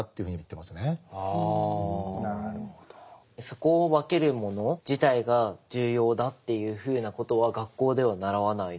そこを分けるもの自体が重要だっていうふうなことは学校では習わない。